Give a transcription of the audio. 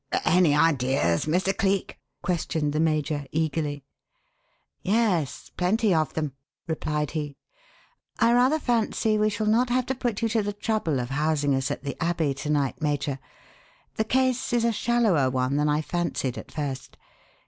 "Any ideas, Mr. Cleek?" questioned the major, eagerly. "Yes, plenty of them," replied he. "I rather fancy we shall not have to put you to the trouble of housing us at the Abbey to night, Major. The case is a shallower one than I fancied at first.